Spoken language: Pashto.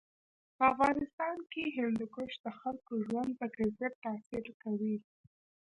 په افغانستان کې هندوکش د خلکو د ژوند په کیفیت تاثیر کوي.